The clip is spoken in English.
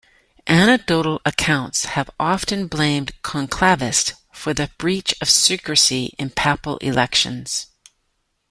Anecdotal accounts have often blamed conclavists for the breach of secrecy in papal elections.